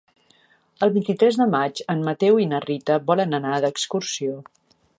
El vint-i-tres de maig en Mateu i na Rita volen anar d'excursió.